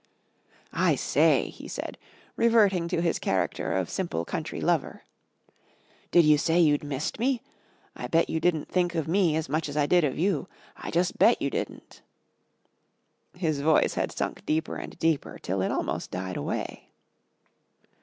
"I say," he said, reverting to his character of simple country lover. "Did you say you'd missed me? I bet you didn't think of me as much as I did of you. I jus' bet you didn't." His voice had sunk deeper and deeper till it almost died away.